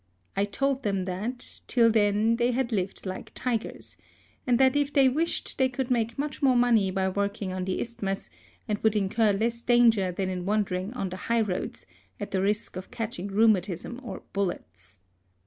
I told them that, till then, they had lived like tigers ; and that if they wished it they could make much more money by working on the isthmus, and would incur less danger than in wandering on the highroads, at the risk of catching rheumatism or bullets.